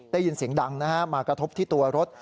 ได้ยินเสียงดังมากระทบที่ตัวรถ